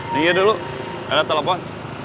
dengar dulu ada telepon